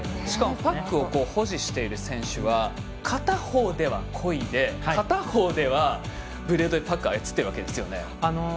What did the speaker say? しかもパックを保持している選手は片方ではこいで片方ではブレードでパック操っているわけですよね。